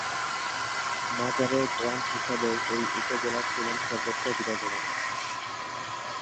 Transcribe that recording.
মাজারের গ্রাম হিসাবেও এই উপজেলার সুনাম সর্বত্র বিরাজমান।